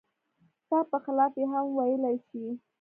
ستا په خلاف یې هم ویلای شي.